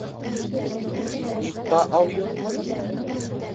Призниф та алйотмо?!